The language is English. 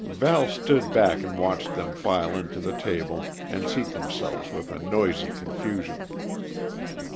Val stood back and watched them file in to the table and seat themselves with a noisy confusion.